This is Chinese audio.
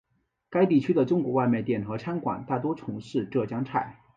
该地区的中国外卖店和餐馆大多从事浙江菜。